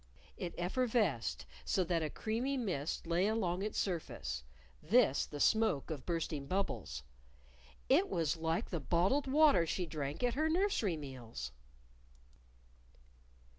It effervesced, so that a creamy mist lay along its surface this the smoke of bursting bubbles. It was like the bottled water she drank at her nursery meals!